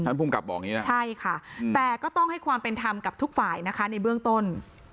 ภูมิกับบอกอย่างนี้นะใช่ค่ะแต่ก็ต้องให้ความเป็นธรรมกับทุกฝ่ายนะคะในเบื้องต้น